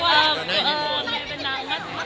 ว่ามันเป็นนางมัธนา